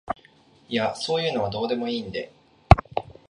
いやそういうのはどうでもいいんで